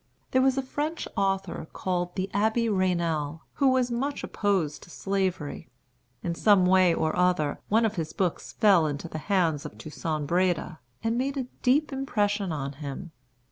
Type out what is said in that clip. There was a French author, called the Abbé Raynal, who was much opposed to Slavery. In some way or other, one of his books fell into the hands of Toussaint Breda, and made a deep impression on him.